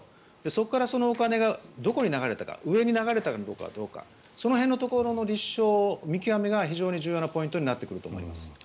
そこからそのお金がどこに流れたか上に流れたかどうかその辺のところの立証、見極めが非常に重要なポイントになってくると思います。